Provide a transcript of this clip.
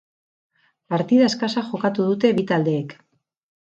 Partida eskasa jokatu dute bi taldeek.